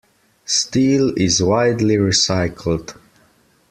Steel is widely recycled.